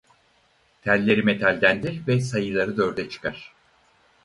Telleri metaldendir ve sayıları dörde çıkar.